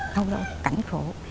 không đâu cảnh khổ